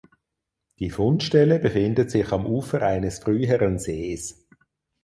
Die Fundstelle befindet sich am Ufer eines früheren Sees.